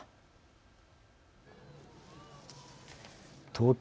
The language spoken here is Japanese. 東京